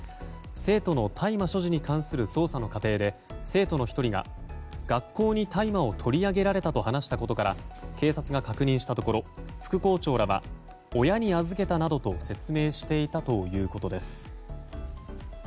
生徒の大麻所持に関する捜査の過程で生徒の１人が学校に大麻を取り上げられたと話したことから警察が確認したところ副校長らは親に預けたなどと説明していたということです。